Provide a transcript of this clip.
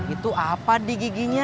itu apa di giginya